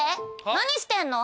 何してんの？